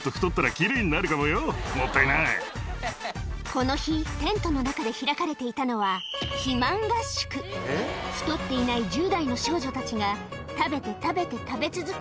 この日テントの中で開かれていたのは太っていない１０代の少女たちが食べて食べて食べ続け